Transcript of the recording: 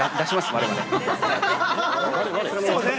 我々。